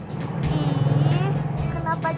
ih kenapa jarang